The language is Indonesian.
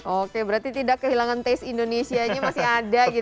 oke berarti tidak kehilangan taste indonesia nya masih ada gitu ya